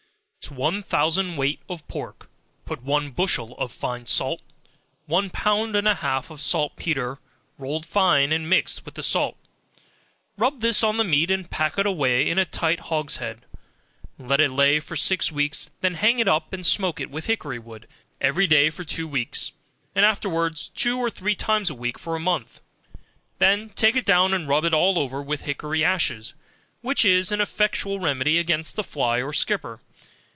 To one thousand weight of pork, put one bushel of fine salt, one pound and a half of saltpetre rolled fine and mixed with the salt; rub this on the meat and pack it away in a tight hogshead; let it lay for six weeks, then hang it up and smoke it with hickory wood, every day for two weeks, and afterwards two or three times a week for a month; then take it down and rub it all over with hickory ashes, which is an effectual remedy against the fly or skipper.